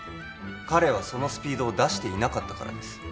彼はそのスピードを出していなかったからです